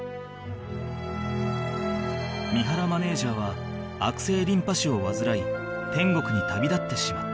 三原マネージャーは悪性リンパ腫を患い天国に旅立ってしまった